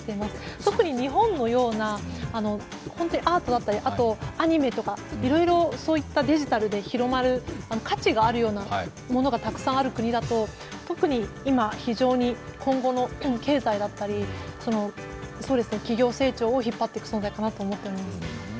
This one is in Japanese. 特に日本のような、アートだったりあとアニメとか、いろいろそういったデジタルで広まる価値があるようなものがたくさんある国だと特に今、今後の経済だったり企業成長を引っ張っていく存在だと思ってます。